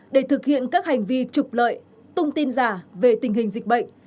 để thực hiện các hành vi trục lợi tung tin giả về tình hình dịch bệnh